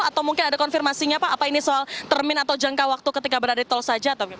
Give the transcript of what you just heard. atau mungkin ada konfirmasinya pak apa ini soal termin atau jangka waktu ketika berada di tol saja